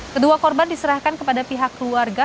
kedua korban diserahkan kepada pihak keluarga